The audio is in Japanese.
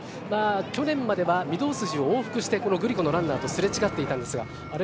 去年までは御堂筋を往復してこのグリコのランナーと擦れ違っていたんですが、あれ？